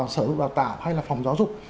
sở hữu bào tả hay là phòng giáo dục